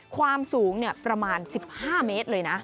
ความสูงประมาณ๑๕เมตรเลยนะ